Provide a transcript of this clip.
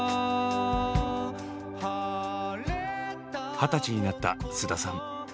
二十歳になった菅田さん。